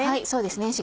そうですね